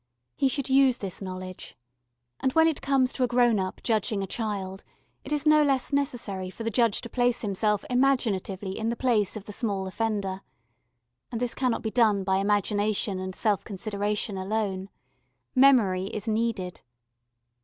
He should use this knowledge; and when it comes to a grown up judging a child, it is no less necessary for the judge to place himself imaginatively in the place of the small offender. And this cannot be done by imagination and self consideration alone. Memory is needed.